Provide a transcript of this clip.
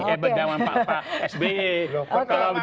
eh zaman pak sby